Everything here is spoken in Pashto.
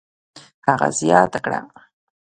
هغه زیاته کړه: